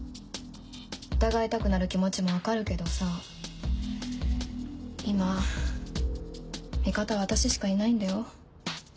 疑いたくなる気持ちも分かるけどさ今味方は私しかいないんだよ？